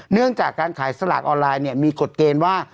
เนื่องจากการขายสลากออนไลน์มีกฎเกณฑ์ว่า